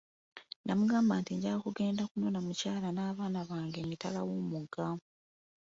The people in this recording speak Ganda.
N'amugamba nti, njagala kugenda kunona mukyala n'abaana bange emitala wo'mugga .